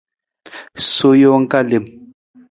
Sowa jang ka lem.